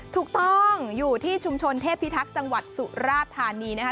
ถูกต้องอยู่ที่ชุมชนเทพิทักษ์จังหวัดสุราธานีนะคะ